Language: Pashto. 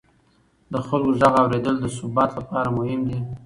د خلکو غږ اورېدل د ثبات لپاره مهم دي